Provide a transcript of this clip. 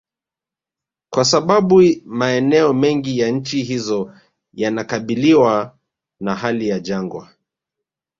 Kwa sababu maeneo mengi ya nchi hizo yanakabiliwa na hali ya jangwa